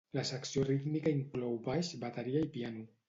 La secció rítmica inclou baix, bateria i piano.